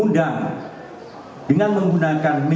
diam diam diam